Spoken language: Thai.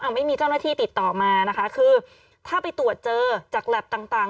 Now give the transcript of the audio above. ไม่มีเจ้าหน้าที่ติดต่อมานะคะคือถ้าไปตรวจเจอจากแล็บต่าง